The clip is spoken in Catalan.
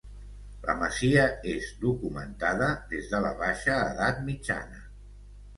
La masia és documentada des de la baixa edat mitjana.